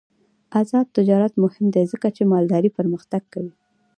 آزاد تجارت مهم دی ځکه چې مالداري پرمختګ کوي.